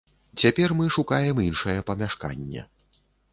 Цяпер мы шукаем іншае памяшканне.